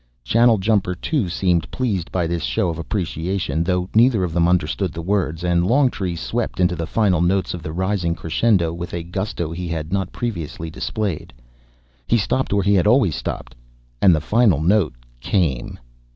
Channeljumper too seemed pleased by this show of appreciation, though neither of them understood the words, and Longtree swept into the final notes of the rising crescendo with a gusto he had not previously displayed. He stopped where he had always stopped and the final note came!